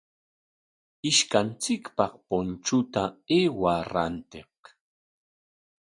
Ishkanchikpaq punchuta aywaa rantiq.